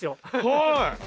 はい！